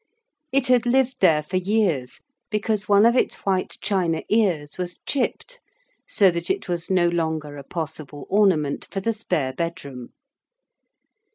It had lived there for years, because one of its white china ears was chipped, so that it was no longer a possible ornament for the spare bedroom.